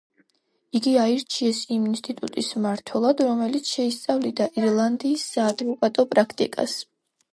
იგი აირჩიეს იმ ინსტიტუტის მმართველად, რომელიც შეისწავლიდა ირლანდიის საადვოკატო პრაქტიკას.